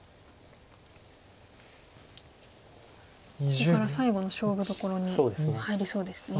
ここから最後の勝負どころに入りそうですね。